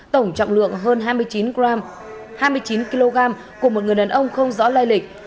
tổng trọng lượng hơn hai mươi chín kg của một người đàn ông không rõ lai lịch